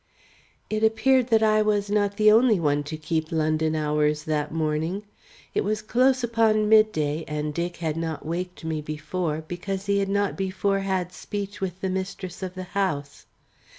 It appeared that I was not the only one to keep London hours that morning. It was close upon mid day and Dick had not waked me before, because he had not before had speech with the mistress of the house.